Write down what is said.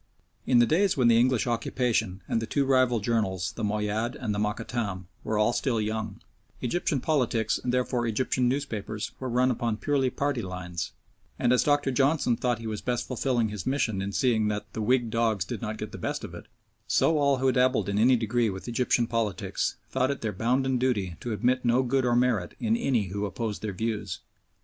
In the days when the English occupation and the two rival journals, the Moayyad and the Mokattam, were all still young, Egyptian politics and therefore Egyptian newspapers were run upon purely party lines, and as Dr. Johnson thought he was best fulfilling his mission in seeing that "the Whig dogs did not get the best of it," so all who dabbled in any degree with Egyptian politics thought it their bounden duty to admit no good or merit in any who opposed their views.